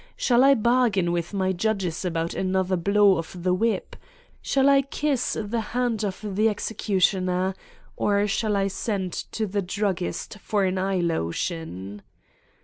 Shall I bargain with my judges about an other blow of the whip ? Shall I kiss the hand of the executioner? Or shall I send to the druggist for an eye lotion?